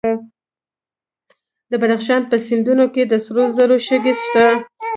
د بدخشان په سیندونو کې د سرو زرو شګې شته.